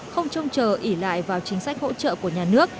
không trông chờ ỉ lại vào chính sách hỗ trợ của nhà nước